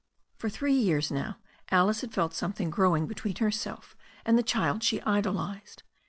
For three years now Alice had felt something growing be tween herself and the child she idolized.